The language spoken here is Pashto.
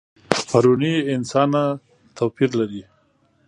پروني انسانه توپیر لري.